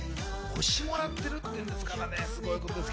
星をもらってるっていうんですからね。